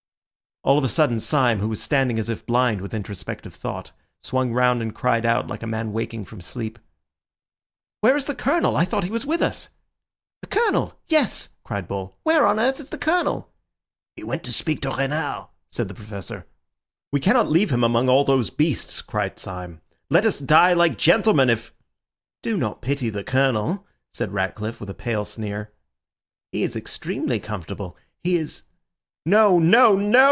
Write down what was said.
All of a sudden Syme, who was standing as if blind with introspective thought, swung round and cried out, like a man waking from sleep— "Where is the Colonel? I thought he was with us!" "The Colonel! Yes," cried Bull, "where on earth is the Colonel?" "He went to speak to Renard," said the Professor. "We cannot leave him among all those beasts," cried Syme. "Let us die like gentlemen if—" "Do not pity the Colonel," said Ratcliffe, with a pale sneer. "He is extremely comfortable. He is—" "No! no! no!"